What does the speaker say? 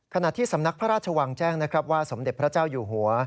ขณะที่สำนักพระราชวังแจ้งนะครับว่าสมเด็จพระเจ้าอยู่หัว